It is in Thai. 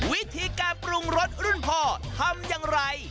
วิธีการปรุงรสรุ่นพ่อทำอย่างไร